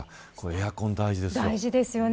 エアコン大事ですよ。